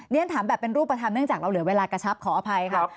ฉันถามแบบเป็นรูปธรรมเนื่องจากเราเหลือเวลากระชับขออภัยค่ะ